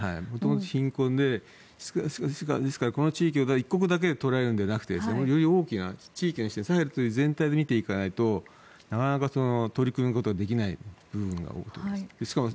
もともと貧困でこの地域は一国だけで捉えるのではなくてより大きな地域でサヘルという全体で見ていかないとなかなか取り組むことはできないと思います。